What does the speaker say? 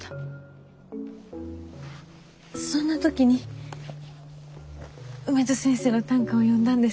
そんな時に梅津先生の短歌を読んだんです。